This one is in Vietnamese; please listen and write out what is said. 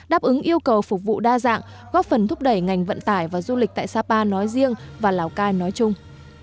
đáp ứng yêu cầu phục vụ đa dạng góp phần thúc đẩy ngành vận tải và du lịch tại sapa nói riêng và lào cai nói chung